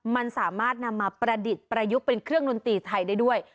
มันสามารถนำมาประดิษฐ์ประยุกต์เป็นเครื่องดนตรีไทยได้ด้วย